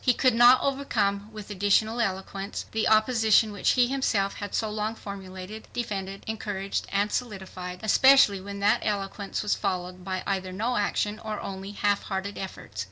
He could not overcome with additional eloquence the opposition which he himself had so long formulated, defended, encouraged and solidified, especially when that eloquence was followed by either no action or only half hearted efforts.